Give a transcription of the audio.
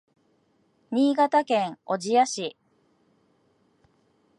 新潟県小千谷市